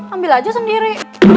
ambil aja sendiri